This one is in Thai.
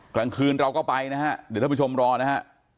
กลางคืนเราก็ไปนะฮะเดี๋ยวท่านผู้ชมรอนะฮะ